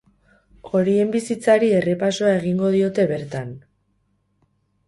Horien bizitzari errepasoa egingo diote bertan.